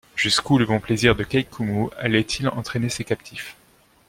Jusqu’où le bon plaisir de Kai-Koumou allait-il entraîner ses captifs?